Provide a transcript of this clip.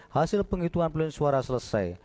hasil penghitungan pilihan suara selesai